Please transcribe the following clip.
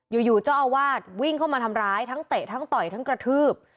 อยู่เจ้าอาวาสวิ่งเข้ามาทำร้ายทั้งเตะทั้งต่อยทั้งกระทืบ